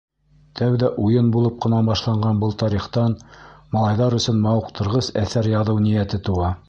Тәүҙә уйын булып ҡына башланған был тарихтан малайҙар өсөн мауыҡтырғыс әҫәр яҙыу ниәте тыуа.